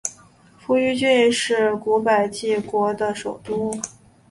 扶余郡是古百济国的首都。